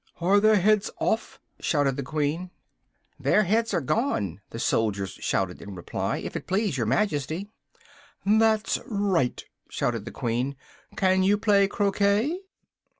"Are their heads off?" shouted the Queen. "Their heads are gone," the soldiers shouted in reply, "if it please your Majesty!" "That's right!" shouted the Queen, "can you play croquet?"